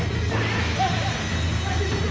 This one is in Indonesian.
eh untung dong si kebal ini